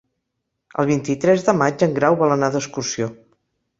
El vint-i-tres de maig en Grau vol anar d'excursió.